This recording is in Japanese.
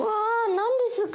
何ですか？